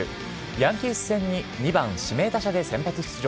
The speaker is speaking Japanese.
ヤンキース戦に２番・指名打者で先発出場。